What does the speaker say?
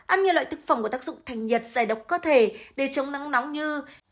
ăn nhiều loại thực phẩm có tác dụng thành nhiệt giải độc cơ thể để chống nắng nóng như